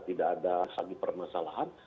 tidak ada lagi permasalahan